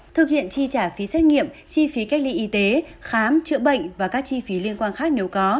thực hiện chi trả phí xét nghiệm chi phí cách ly y tế khám chữa bệnh và các chi phí liên quan khác nếu có